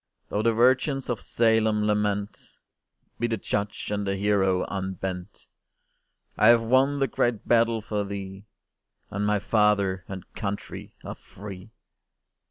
Though the virgins of Salem lament, Be the judge and the hero unbent! I have won the great battle for thee, And my Father and Country are free!